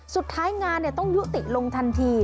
สุดท้ายงานต้องยุติลงทันที